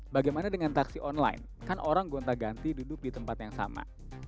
bagaimana dengan taksi online kan orang gonta ganti duduk di tempat yang sama